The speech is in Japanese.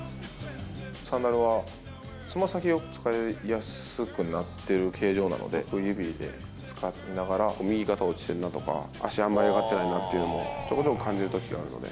サンダルはつま先を使いやすくなってる形状なので、指を使いながら、右肩落ちてるなとか、足あんまり上がってないなっていうのも、そこでも感じるときあるので。